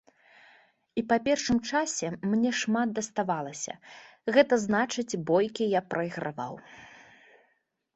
І па першым часе мне шмат даставалася, гэта значыць, бойкі я прайграваў.